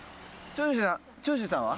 「長州さんは？」